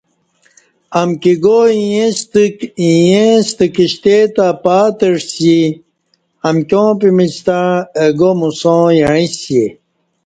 امکی گا ییں ستہ کشتے تہ پاتعسی امکیاں پِمچ ستݩع اہ گا موساں یعݩسئے